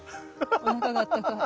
おなかがあったかい。